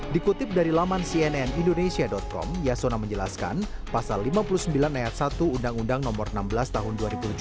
dikutip dari laman cnnindonesia com yasona menjelaskan pasal lima puluh sembilan ayat satu undang undang nomor enam belas tahun dua ribu tujuh belas